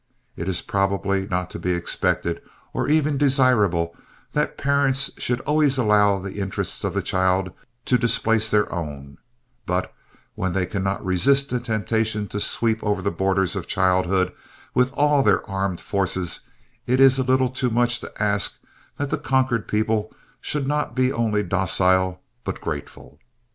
It is probably not to be expected, or even desirable, that parents should always allow the interests of the child to displace their own, but when they cannot resist the temptation to sweep over the borders of childhood with all their armed forces it is a little too much to ask that the conquered people should be not only docile but grateful.